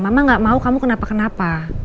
mama gak mau kamu kenapa kenapa